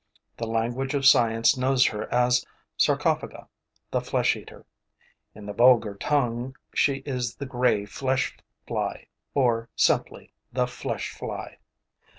The language of science knows her as Sarcophaga, the flesh eater; in the vulgar tongue she is the grey flesh fly, or simply the flesh fly.